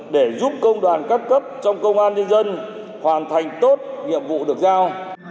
để giúp công đoàn các cấp trong công an nhân dân hoàn thành tốt nhiệm vụ được giao